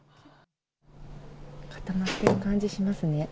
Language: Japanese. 固まってる感じしますね。